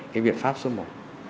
cái biện pháp số một